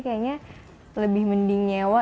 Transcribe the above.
kayaknya lebih mending nyewa